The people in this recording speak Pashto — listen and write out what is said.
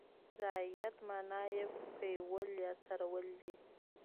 رعیت معنا یې پېول یا څرول دي.